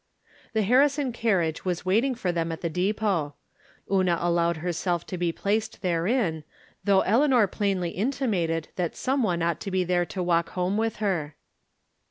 The Harrison carriage was waiting for them at the depot. Una allowed herself to be placed therein, though Eleanor plainly intimated that some one ought to be there to walk home V7ith her.